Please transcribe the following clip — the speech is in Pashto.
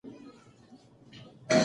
پښتونولي يو ښه کلتور دی.